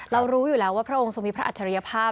รู้อยู่แล้วว่าพระองค์ทรงมีพระอัจฉริยภาพ